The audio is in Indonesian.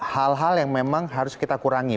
hal hal yang memang harus kita kurangi